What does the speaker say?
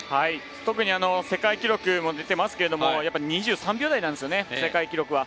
特に世界記録も出ていますけど２３秒台なんですね、世界記録は。